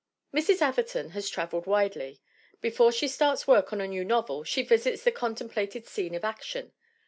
Mrs. Atherton has traveled very widely. Before she starts work on a new novel she visits the contem plated scene of action.